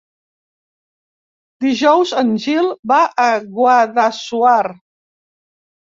Dijous en Gil va a Guadassuar.